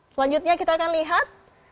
selanjutnya kita akan lihat